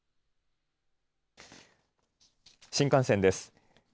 新幹線です。